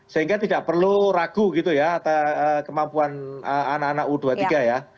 sehingga tidak perlu ragu gitu ya atas kemampuan anak anak u dua puluh tiga ya